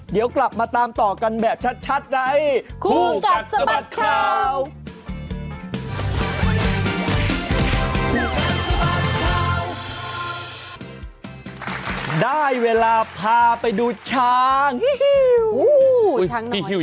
เดี๋ยวกลับมาตามต่อกันแบบชัดใน